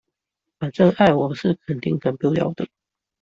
反正，愛，我是肯定給不了的